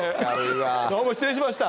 どうも失礼しました。